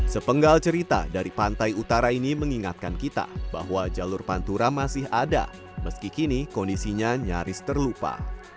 sepenggal cerita dari pantai utara ini mengingatkan kita bahwa jalur pantura masih ada meski kini kondisinya nyaris terlupa